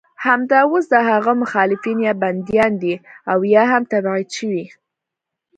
همدا اوس د هغه مخالفین یا بندیان دي او یا هم تبعید شوي.